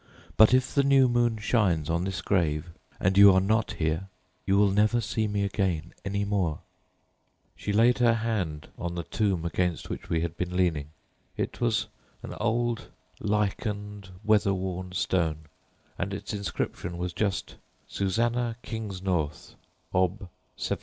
But if the new moon shines on this grave and you are not here—you will never see me again any more.' "She laid her hand on the yellow lichened tomb against which we had been leaning. It was an old weather worn stone, and bore on it the inscription— 'Susannah Kingsnorth, Ob.